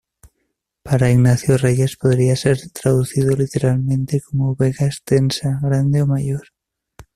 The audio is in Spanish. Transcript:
Para Ignacio Reyes podría ser traducido literalmente como 'vega extensa, grande o mayor'.